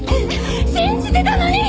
信じてたのに！